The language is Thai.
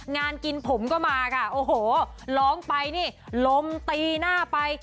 งานกินผมก็มาค่ะโอ้โหร้องไปนี่ลมตีหน้าไป